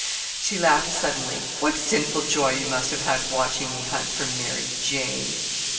She laughed suddenly. "What sinful joy you must have had watching me hunt for 'Mary Jane.'"